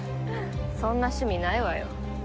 そんな趣味ないわよ。